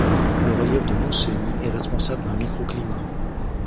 Le relief du Montseny est responsable d'un microclimat.